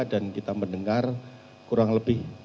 dan kita mendengar kurang lebih